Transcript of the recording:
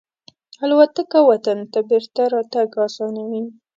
الوتکه وطن ته بېرته راتګ آسانوي.